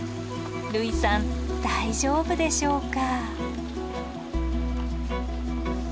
類さん大丈夫でしょうか。